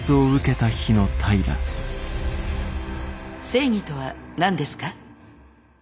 正義とは何ですか？